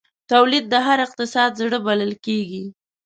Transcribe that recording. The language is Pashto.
تولید د هر اقتصاد زړه بلل کېږي.